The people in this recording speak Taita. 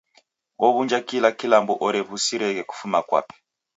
Ow'unja kila kilambo orew'usireghe kufuma kwape.